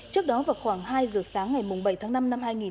trước đó vào khoảng hai giờ sáng ngày bảy tháng năm năm hai nghìn hai mươi